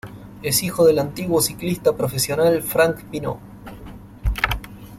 Es hijo del antiguo ciclista profesional Franck Pineau.